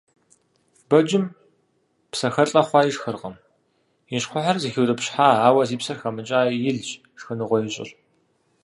Бэджым псэхэлIэ хъуа ишхыркъым, и щхъухьыр зыхиутIыпщхьа, ауэ зи псэр хэмыкIам илщ шхыныгъуэ ищIыр.